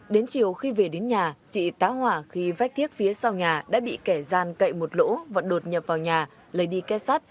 đến chiều khi về đến nhà chị tá hỏa khi vách thiếc phía sau nhà đã bị kẻ gian cậy một lỗ và đột nhập vào nhà lấy đi kết sắt